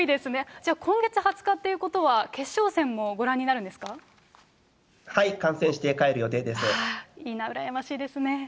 じゃあ、今月２０日ということは、決勝戦もご覧になるんですか。はい、観戦して帰る予定ですいいな、うらやましいですね。